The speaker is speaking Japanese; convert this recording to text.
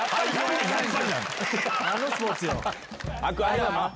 何のスポーツよ！